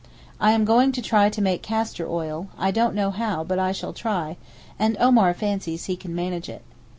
I am going to try to make castor oil; I don't know how, but I shall try, and Omar fancies he can manage it.